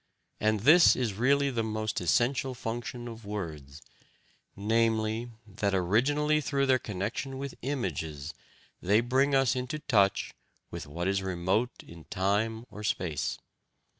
And this is really the most essential function of words, namely that, originally through their connection with images, they bring us into touch with what is remote in time or space.